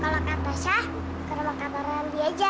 kalau kak tasya ke rumah kak randy aja